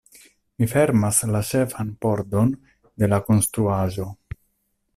Mi fermas la ĉefan pordon de la konstruaĵo.